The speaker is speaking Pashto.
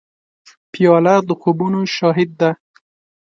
پیاله د خوبونو شاهد ده.